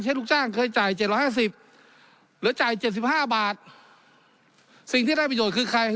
ลูกจ้างเคยจ่ายเจ็ดร้อยห้าสิบหรือจ่ายเจ็ดสิบห้าบาทสิ่งที่ได้ประโยชน์คือใคร